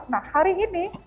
nah hari ini